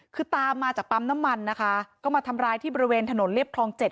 คือตามมาจากปั๊มน้ำมันนะคะก็มาทำร้ายที่บริเวณถนนเรียบคลอง๗